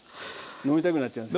飲みたくなっちゃいます。